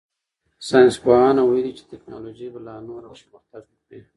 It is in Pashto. ساینس پوهانو ویلي چې تکنالوژي به لا نوره پرمختګ وکړي.